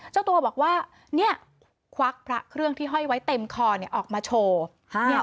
เจ้าตัวบอกว่าเนี่ยควักพระเครื่องที่ห้อยไว้เต็มคอออกมาโชว์